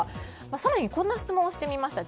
更にこんな質問をしてみました。